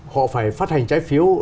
họ phải phát hành trái phiếu